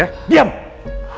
ada apa ini